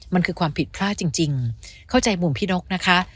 มันคือความผิดพลาดจริงเข้าใจมุมพี่นกนะคะ